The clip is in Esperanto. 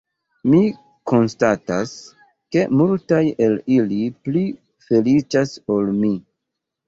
Mi konstatas ke multaj el ili pli feliĉas ol mi.